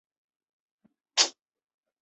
他获得了斯特林岭以西的土地特许状。